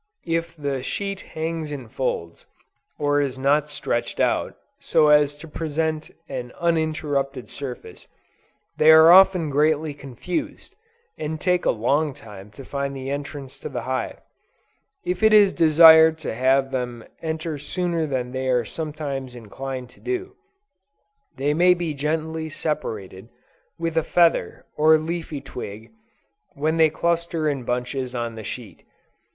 If the sheet hangs in folds, or is not stretched out, so as to present an uninterrupted surface, they are often greatly confused, and take a long time to find the entrance to the hive. If it is desired to have them enter sooner than they are sometimes inclined to do, they may be gently separated, with a feather, or leafy twig, when they cluster in bunches on the sheet.